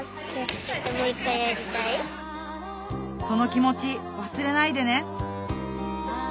その気持ち忘れないでね